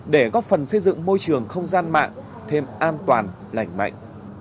để góp phần xây dựng môi trường không gian mạng thêm an toàn lành mạnh